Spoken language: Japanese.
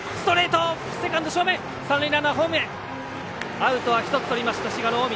アウトは１つとりました滋賀の近江。